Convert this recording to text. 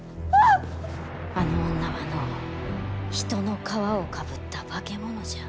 あの女はの人の皮をかぶった化け物じゃ。